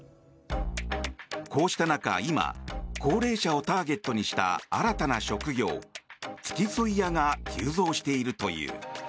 こうした中、今高齢者をターゲットにした新たな職業、付き添い屋が急増しているという。